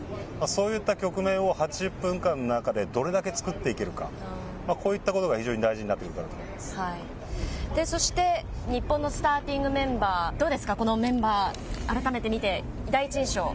そういった局面を８０分間の中でどれだけ作っていけるか、こういったことが非常に大事になってくそして、日本のスターティングメンバー、どうですか、このメンバー、改めて見て、第一印象。